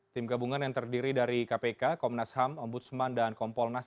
tim gabungan yang terdiri dari kpk komnas ham ombudsman dan kompolnas